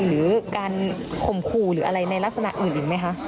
หรือการข่มขู่หรืออะไรในลักษณะอื่นอีกไหมคะ